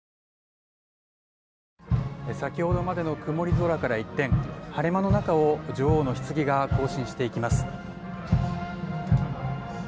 先ほどまでの曇り空から一転晴れ間の中を女王のひつぎが行進していきます。